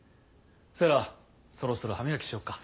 星来そろそろ歯磨きしよっか。